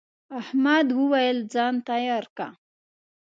احمد وويل: ځان تیار که.